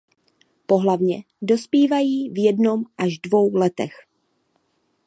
Pohlavně dospívají v jednom až dvou letech.